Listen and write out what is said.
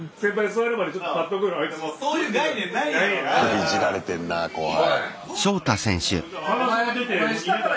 いじられてんな後輩。